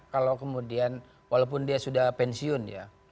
kalau kemudian walaupun dia sudah pensiun ya